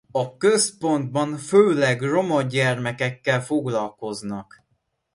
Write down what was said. A központban főleg roma gyermekekkel foglalkoznak.